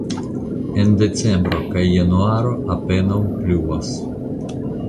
En decembro kaj januaro apenaŭ pluvas.